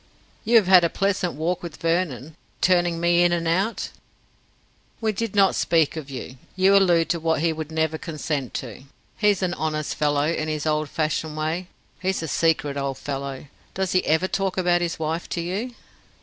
"You have had a pleasant walk with Vernon turning me in and out?" "We did not speak of you. You allude to what he would never consent to." "He's an honest fellow, in his old fashioned way. He's a secret old fellow. Does he ever talk about his wife to you?"